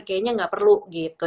kayaknya nggak perlu gitu